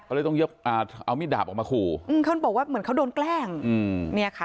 เขาเลยต้องเอามิดดาบออกมาคู่เขาบอกว่าเหมือนเขาโดนแกล้งเนี่ยค่ะ